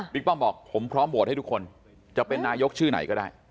ป้อมบอกผมพร้อมโหวตให้ทุกคนจะเป็นนายกชื่อไหนก็ได้